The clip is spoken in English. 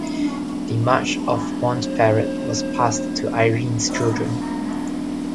The March of Montferrat was passed to Irene's children.